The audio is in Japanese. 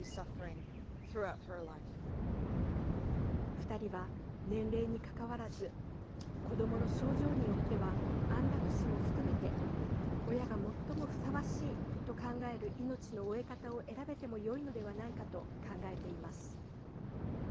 ２人は、年齢にかかわらず子どもの症状によっては安楽死も含めて親が、最もふさわしいと考える命の終え方を選べてもよいのではないかと考えています。